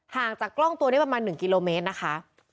จากกล้องตัวนี้ประมาณ๑กิโลเมตรนะคะ